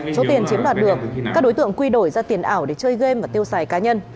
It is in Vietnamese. số tiền chiếm đoạt được các đối tượng quy đổi ra tiền ảo để chơi game và tiêu xài cá nhân